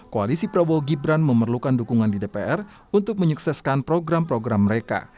koalisi prabowo gibran memerlukan dukungan di dpr untuk menyukseskan program program mereka